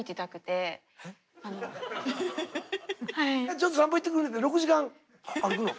「ちょっと散歩行ってくる」って６時間歩くの？